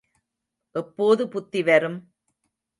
எப்போது புத்தி வரும்?